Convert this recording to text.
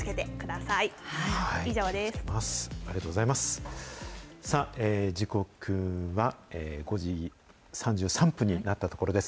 さあ、時刻は５時３３分になったところです。